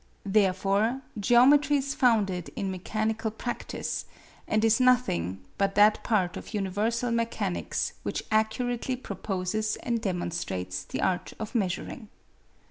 Therefore geometry is founded in mechanical practice, and is nothing but that part of universal mechanics which accurately proposes and demonstrates the art of measuring.